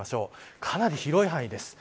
かなり広い範囲です。